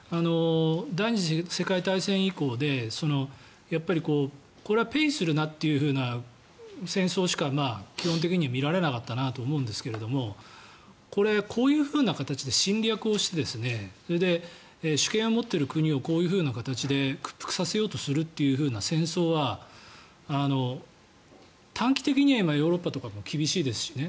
第２次世界大戦以降でこれはペイするなというふうな戦争しか基本的には見られなかったなと思うんですがこういうふうな形で侵略をしてそれで主権を持っている国をこういう形で屈服させようとするという戦争は短期的にはヨーロッパとかも厳しいですしね。